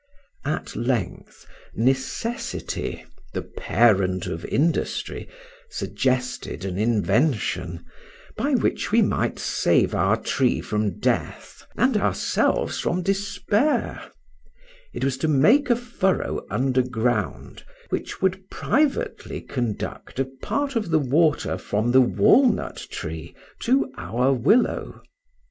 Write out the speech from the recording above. At length necessity, the parent of industry, suggested an invention, by which we might save our tree from death, and ourselves from despair; it was to make a furrow underground, which would privately conduct a part of the water from the walnut tree to our willow.